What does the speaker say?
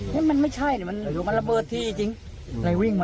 นี่มันไม่ใช่มันระเบิดที่จริง